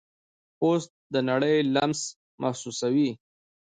پوست د نړۍ لمس محسوسوي.